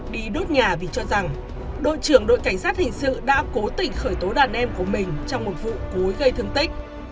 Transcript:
đi đốt nhà vì cho rằng đội trưởng đội cảnh sát hình sự đã cố tỉnh khởi tố đàn em của mình trong một vụ cối gây thương tích